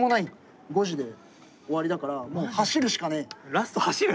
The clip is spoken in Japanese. ラスト走る？